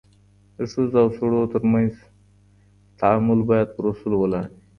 د ښځو او سړو ترمنځ تعامل بايد پر اصولو ولاړ وي.